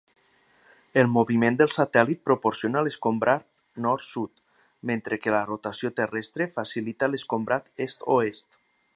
El moviment del satèl·lit proporciona l'escombrat nord-sud, mentre que la rotació terrestre facilita l'escombrat est-oest.